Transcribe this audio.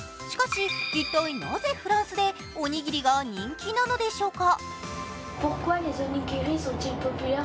しかし、一体なぜフランスでおにぎりが人気なのでしょうか。